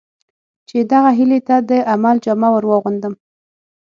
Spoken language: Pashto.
چې دغه هیلې ته د عمل جامه ور واغوندم.